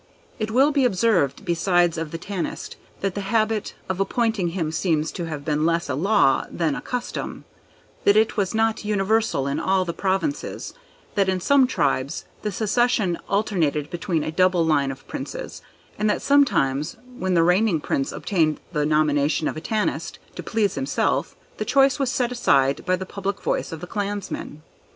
It will be observed besides of the Tanist, that the habit of appointing him seems to have been less a law than a custom; that it was not universal in all the Provinces; that in some tribes the succession alternated between a double line of Princes; and that sometimes when the reigning Prince obtained the nomination of a Tanist, to please himself, the choice was set aside by the public voice of the clansmen.